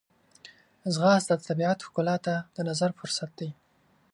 ځغاسته د طبیعت ښکلا ته د نظر فرصت دی